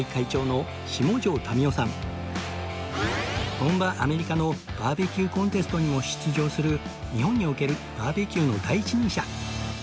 本場アメリカのバーベキューコンテストにも出場する日本におけるバーベキューの第一人者